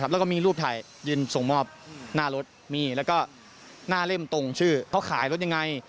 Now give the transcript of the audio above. แล้วก็มีรูปถ่ายยืนส่งมอบหน้ารถมีแล้วก็หน้าเล่มตรงชื่อเขาขายรถยังไง